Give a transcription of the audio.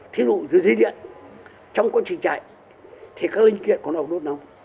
thí dụ dưới dây điện trong công trình chạy thì các linh kiện có nổ nốt nóng